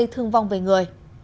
thương vong về người